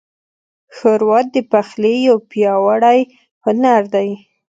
ښوروا د پخلي یو پیاوړی هنر دی.